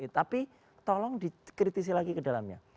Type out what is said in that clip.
tapi tolong dikritisi lagi ke dalamnya